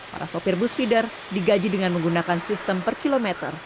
para sopir bus feeder digaji dengan menggunakan sistem per kilometer